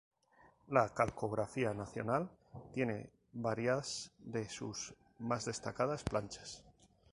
La Calcografía Nacional tiene varias de sus más destacadas planchas.